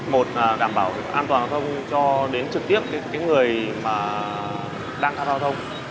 một là đảm bảo an toàn giao thông cho đến trực tiếp cái người mà đang giao thông